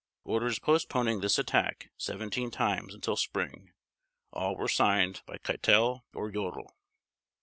Orders postponing this attack 17 times until spring all were signed by Keitel or Jodl.